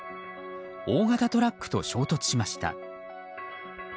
大型トラックと衝突しました。